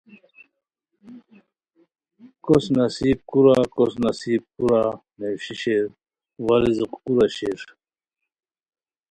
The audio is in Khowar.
کوس نصیب کورا ،کوس نصیب کورا نیویشی شیر، وا رزق کورا شیر